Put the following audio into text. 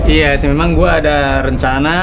iya sih memang gue ada rencana